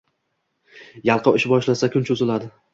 Yalqov ish boshlasa, kun choʻziladi